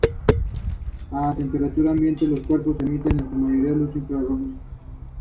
Se suele emplear como perro de caza, guardián, perro pastor y perro de defensa.